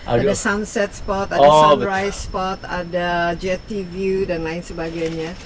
ada sunset spot ada sunrise spot ada jt view dan lain sebagainya